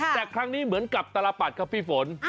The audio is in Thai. แต่ครั้งนี้เหมือนกับตลปัดครับพี่ฝน